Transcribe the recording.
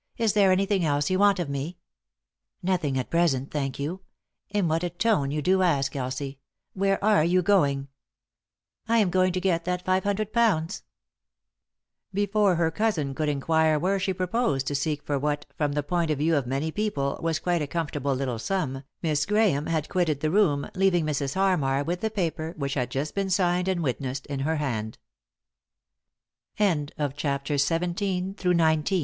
" Is there anything else you want of me ?"" Nothing, at present, thank you. In what a tone you do ask, Elsie I Where are you going f "" I am going to get that five hundred pounds." Before her cousin could inquire where she proposed to seek for what, from the point of view of many people, was quite a comfortable little sum, Miss Gra hame had quitted the room, leaving Mrs. Harmar with the paper which had just been signed and witne